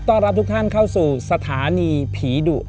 รับทุกท่านเข้าสู่สถานีผีดุ